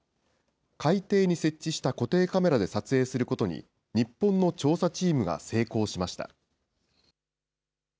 海底に設置した固定カメラで撮影することに、日本の調査チームが成功しました。